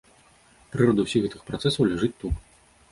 Прырода ўсіх гэтых працэсаў ляжыць тут.